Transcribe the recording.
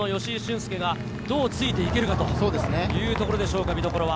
恭はどうついていけるかというところでしょうか、見どころは。